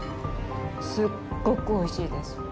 すっごくおいしいです。